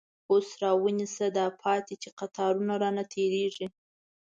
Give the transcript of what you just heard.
اوس راونیسه داپاتی، چی قطار رانه تير یږی